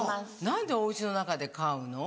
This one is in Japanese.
何でお家の中で飼うの？